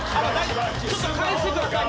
ちょっと返してください。